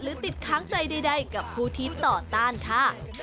ติดค้างใจใดกับผู้ที่ต่อต้านค่ะ